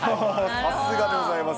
さすがでございます。